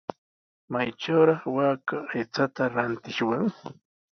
¿Maytrawraq waaka aychata rantishwan?